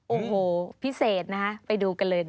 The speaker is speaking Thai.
โอ้โหพิเศษนะฮะไปดูกันเลย